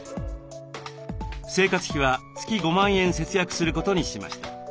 生活費は月５万円節約することにしました。